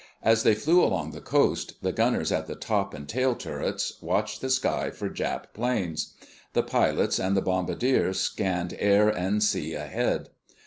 As they flew along the coast, the gunners in the top and tail turrets watched the sky for Jap planes. The pilots and the bombardier scanned air and sea ahead.